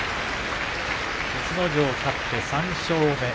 逸ノ城、勝って３勝目。